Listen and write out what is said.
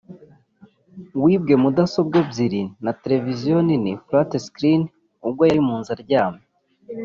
wibwe mudasobwa ebyiri na Televiziyo nini (Flat screen) ubwo yari mu nzu aryamye